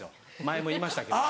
前も言いましたけど。